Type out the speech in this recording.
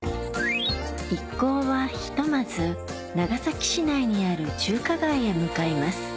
一行はひとまず長崎市内にある中華街へ向かいます